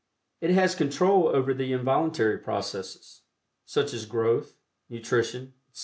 It has control over the involuntary processes, such as growth, nutrition, etc.